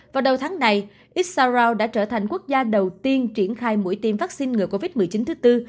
vào đầu tháng này issaro đã trở thành quốc gia đầu tiên triển khai mũi tiêm vaccine ngừa covid một mươi chín thứ tư